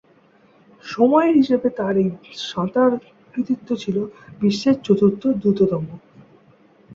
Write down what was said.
সময়ের হিসেবে তার এই সাঁতার কৃতিত্ব ছিল বিশ্বের চতুর্থ দ্রুততম।